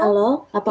untuk saat mana